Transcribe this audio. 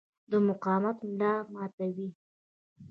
د مقاومت ملا ماتوي.